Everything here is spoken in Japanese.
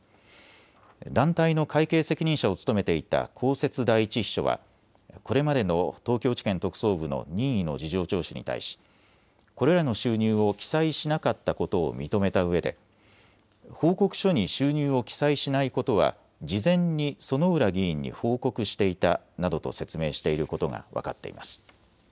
団体の会計会計責任者を務めていた公設第１秘書はこれまでの東京地検特捜部の任意の事情聴取に対しこれらの収入を記載しなかったことを認めたうえで報告書に収入を記載しないことは事前に薗浦議員に報告していたなどと説明していることが分かっています。